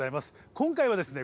今回はですね